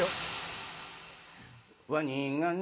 ワニがね